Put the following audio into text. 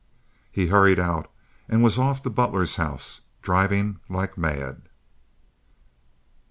He hurried out, and was off to Butler's house, driving like mad.